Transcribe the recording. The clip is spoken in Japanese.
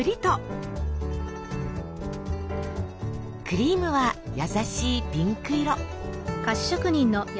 クリームは優しいピンク色。